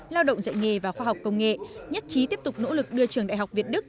lao động dạy nghề và khoa học công nghệ nhất trí tiếp tục nỗ lực đưa trường đại học việt đức